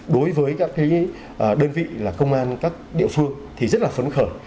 đối với các đơn vị là công an các địa phương thì rất là phấn khởi